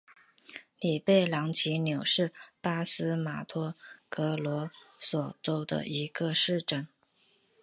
里贝朗齐纽是巴西马托格罗索州的一个市镇。